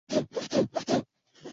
旧为大宫市的一部分。